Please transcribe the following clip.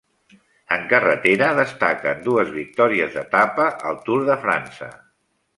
En carretera destaquen dues victòries d'etapa al Tour de França.